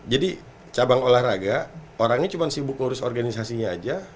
jadi cabang olahraga orangnya cuma sibuk ngurus organisasinya aja